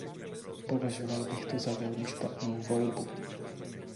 Považoval bych to za velmi špatnou volbu.